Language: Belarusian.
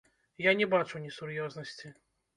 Я не бачу несур'ёзнасці.